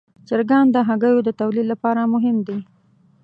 چرګان د هګیو د تولید لپاره مهم دي.